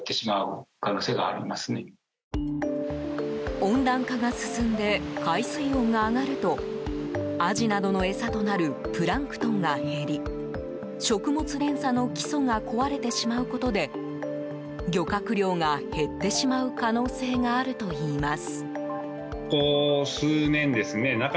温暖化が進んで海水温が上がるとアジなどの餌となるプランクトンが減り食物連鎖の基礎が壊れてしまうことで漁獲量が減ってしまう可能性があるといいます。